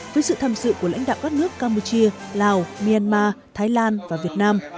với sự tham dự của lãnh đạo các nước campuchia lào myanmar thái lan và việt nam